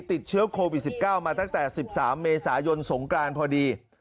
ติดเชื้อโควิด๑๙มาตั้งแต่๑๓เมษายนสงกรานพอดี